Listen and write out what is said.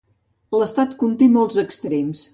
L'estat conté molts extrems.